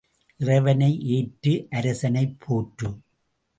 இறைவனை ஏற்று அரசனைப் போற்று.